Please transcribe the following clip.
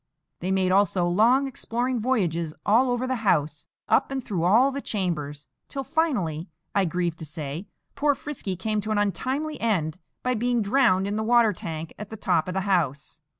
They made also long exploring voyages all over the house, up and through all the chambers, till finally, I grieve to say, poor Frisky came to an untimely end by being drowned in the water tank at the top of the house.